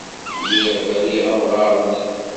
Lliɣ riɣ amɣar-nni.